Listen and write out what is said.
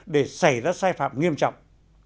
để xảy ra sai phạm nghiêm trọng